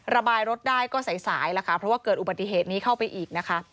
ระบายรถได้ก็สายแล้วค่ะเพราะว่าเกิดอุบัติเหตุนี้เข้าไปอีกนะคะ